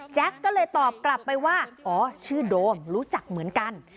ก็เลยตอบกลับไปว่าอ๋อชื่อโดมรู้จักเหมือนกัน